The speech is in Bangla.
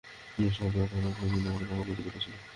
নিজ শহর তায়েফ রক্ষার চিন্তা তাকে পাগল করে তুলেছিল।